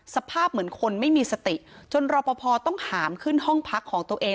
สภาพเหมือนคนไม่มีสติจนรอปภต้องหามขึ้นห้องพักของตัวเอง